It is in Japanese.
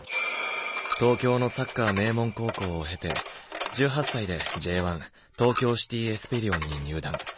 東京のサッカー名門高校を経て１８歳でＪ１東京シティ・エスペリオンに入団。